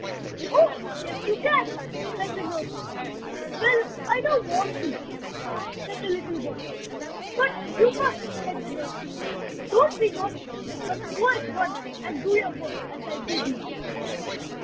"Oh! yes, you can," said the nurse. "Well, I don't want to," said the little boy. "But you must!" said the nurse. "Don't be naughty, but go at once and do your work as I bid you!"